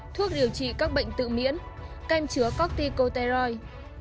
thuốc điều trị các bệnh tự miễn kem chứa corticoteroid